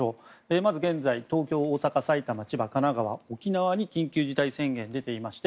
まず、現在東京、大阪、埼玉、千葉、神奈川沖縄に緊急事態宣言が出ていまして